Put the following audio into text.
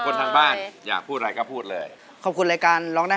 เพลงนี้อยู่ในอาราบัมชุดแรกของคุณแจ็คเลยนะครับ